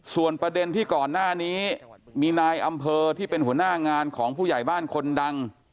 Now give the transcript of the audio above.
ส่วนประเด็นที่ก่อนหน้านี้มีนายอำเภอที่เป็นหัวหน้างานของผู้ใหญ่บ้านคนดัง